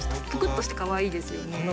ぷくっとしてかわいいですよね。